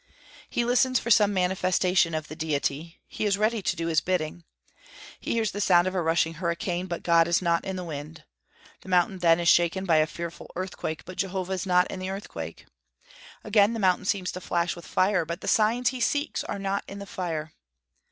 He listens for some manifestation of the deity; he is ready to do His bidding. He hears the sound of a rushing hurricane; but God is not in the wind. The mountain then is shaken by a fearful earthquake; but Jehovah is not in the earthquake. Again the mountain seems to flash with fire; but the signs he seeks are not in the fire.